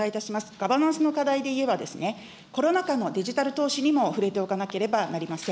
ガバナンスの課題で言えば、コロナ禍のデジタル投資にも触れておかなければなりません。